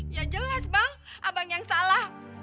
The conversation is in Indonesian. ya jelas bang abang yang salah